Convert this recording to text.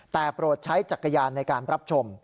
แต่โปรดใช้จักรยานในการรับชม